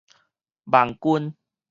網軍